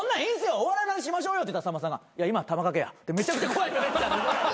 「お笑いの話しましょうよ」って言ったらさんまさんが「いや今は玉掛けや」ってめちゃくちゃ怖い。